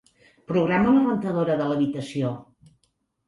Programa la rentadora de l'habitació.